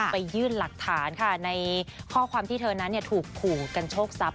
ไปยื่นหลักฐานค่ะในข้อความที่เธอนั้นถูกขู่กันโชคทรัพย